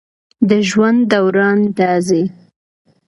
د ژوند دوران د زی